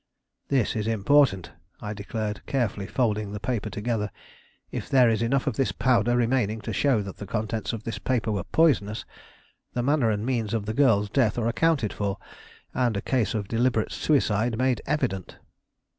"This is important," I declared, carefully folding the paper together. "If there is enough of this powder remaining to show that the contents of this paper were poisonous, the manner and means of the girl's death are accounted for, and a case of deliberate suicide made evident."